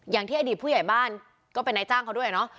อย่างที่อดีตผู้ใหญ่บ้านก็เป็นนายจ้างเขาด้วยเนาะ